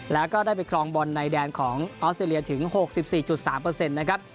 แล้วก็ได้ไปครองบอลในแดนของออสเตรเลียถึง๖๔๓นะครับ